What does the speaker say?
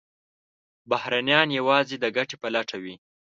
بهرنیان یوازې د ګټې په لټه وي.